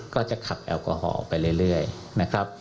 ก็จะขับแอลกอฮอล์ออกไปเรื่อยนะครับ